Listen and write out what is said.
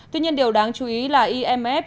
tuy nhiên điều đáng chú ý là imf